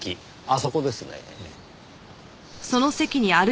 あそこですねぇ。